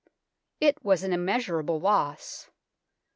It was an immeasurable loss.